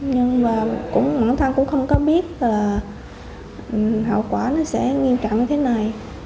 nhưng mà bản thân cũng không có biết là hậu quả nó sẽ nghiêm trọng như thế này